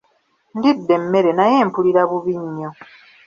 Ndidde emmere naye mpulira bubi nnyo.